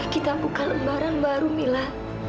kita buka lembaran baru mila